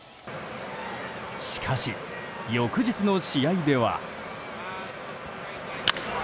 しかし、翌日の試合では。